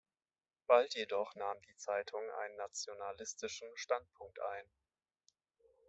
Bald jedoch nahm die Zeitung einen nationalistischen Standpunkt ein.